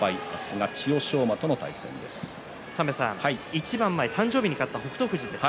一番前誕生日に勝った北勝富士です。